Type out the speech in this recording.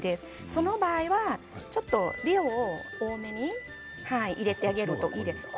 その場合は量を多めに入れてあげるといいですね。